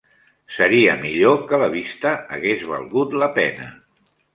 Seria millor que la vista hagués valgut la pena.